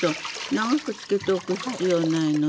長くつけておく必要ないのよ。